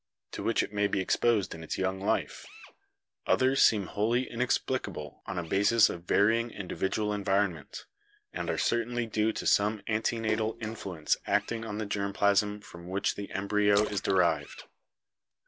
to which it may be exposed in its young life, others seem wholly inex plicable on a basis of varying individual environment, and are certainly due to some antenatal influence acting on the germ plasm from which the embryo is derived.